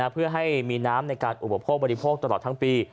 เพื่อให้มีน้ำในการอุปโภคบริโภคตลอดทั้งปี